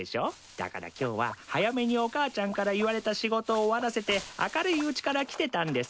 だから今日は早めにお母ちゃんから言われた仕事を終わらせて明るいうちから来てたんです。